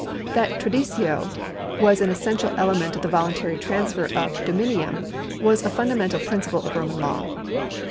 That traditio was an essential ele ment in the voluntary transfer of dominium was a funda mental principle of Roman law.